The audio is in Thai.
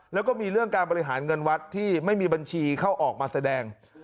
แล้วก็มีเรื่องการบริหารเงินวัดที่ไม่มีบัญชีเข้าออกมาแสดง